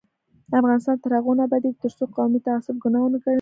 افغانستان تر هغو نه ابادیږي، ترڅو قومي تعصب ګناه ونه ګڼل شي.